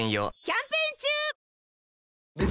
キャンペーン中！